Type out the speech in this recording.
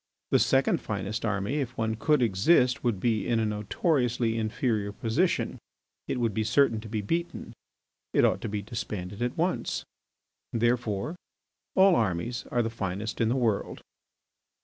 The second finest army, if one could exist, would be in a notoriously inferior position; it would be certain to be beaten. It ought to be disbanded at once. Therefore, all armies are the finest in the world.